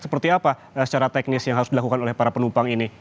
seperti apa secara teknis yang harus dilakukan oleh para penumpang ini